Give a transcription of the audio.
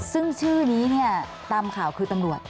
ซึ่งชื่อนี้เนี่ยตามข่าวคือตำรวจ